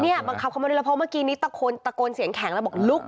เนี่ยบังคับเข้ามาด้วยแล้วเพราะเมื่อกี้นี้ตะโกนเสียงแข็งแล้วบอกลุก